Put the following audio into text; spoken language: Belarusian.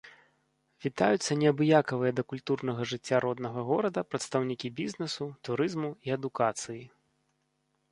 Вітаюцца неабыякавыя да культурнага жыцця роднага горада прадстаўнікі бізнэсу, турызму і адукацыі.